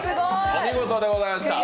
お見事でございました。